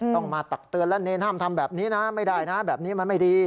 ต้องมาตักเตือนแล้วเนรห้ามทำแบบนี้นะไม่ได้นะแบบนี้มันไม่ดี